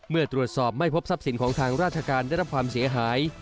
เมื่อตรวจสอบไม่พบทรัพย์สินของทางราชการได้รับความเสียหาย